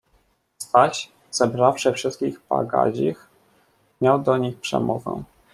Staś, zebrawszy wszystkich pagazich, miał do nich przemowę.